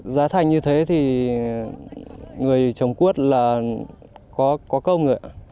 giá thành như thế thì người trồng cuốt là có công ạ